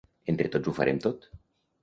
Entre tots ho farem tot.